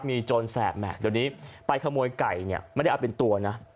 มีโจรแสบแหมเดี๋ยวนี้ไปขโมยไก่เนี่ยไม่ได้เอาเป็นตัวนะ